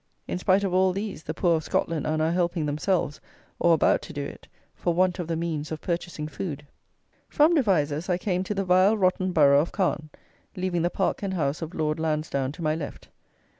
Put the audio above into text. In spite of all these, the poor of Scotland are now helping themselves, or about to do it, for want of the means of purchasing food. From Devizes I came to the vile rotten borough of Calne leaving the park and house of Lord Lansdown to my left.